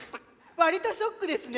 わりとショックですね。